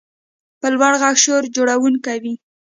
په لوړ غږ شور جوړونکی وي.